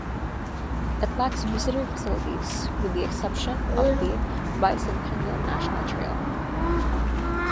It lacks visitor facilities with the exception of the Bicentennial National Trail.